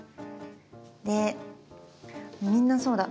でみんなそうだ。